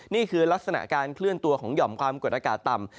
นี่คือลักษณะการเคลื่อนตัวของหย่อมความกดอากาศต่ำ